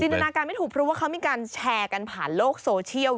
จนาการไม่ถูกเพราะว่าเขามีการแชร์กันผ่านโลกโซเชียล